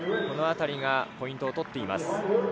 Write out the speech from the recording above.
このあたりがポイントを取っています。